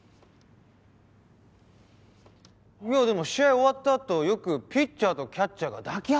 いやでも試合終わったあとよくピッチャーとキャッチャーが抱き合ってるじゃない！